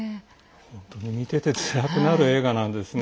本当に見ててつらくなる映画なんですね。